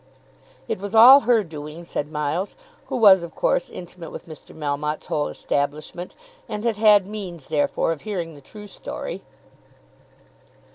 "It was all her doing," said Miles, who was of course intimate with Mr. Melmotte's whole establishment, and had had means therefore of hearing the true story.